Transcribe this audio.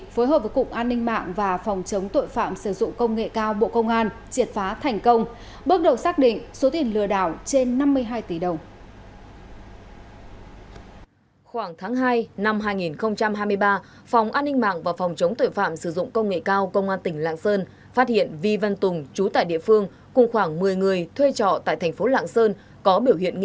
phối hợp với cục an ninh mạng và phòng chống tội phạm sử dụng công nghệ cao bộ công an triệt phá thành công